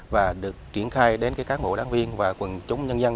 và được triển khai đến cán bộ đáng viên và quần chúng nhân dân